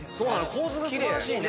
構図が素晴らしいね。